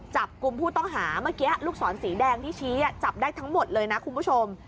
จับกลุ่มผู้ต้องหาเมื่อกี้ลูกศรสีแดงที่ชี้จับได้ทั้งหมดเลยนะคุณผู้ชม